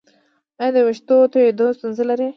ایا د ویښتو تویدو ستونزه لرئ؟